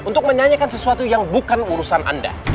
untuk menyanyikan sesuatu yang bukan urusan anda